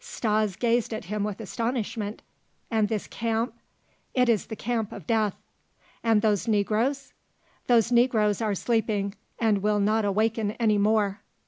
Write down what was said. Stas gazed at him with astonishment. "And this camp?" "It is the camp of death." "And those negroes?" "Those negroes are sleeping and will not awaken any more."